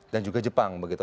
dan juga jepang begitu